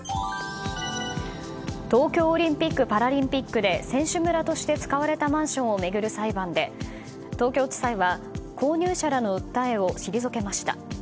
東京オリンピック・パラリンピックで選手村として使われたマンションを巡る裁判で東京地裁は購入者らの訴えを退けました。